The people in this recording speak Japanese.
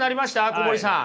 小堀さん。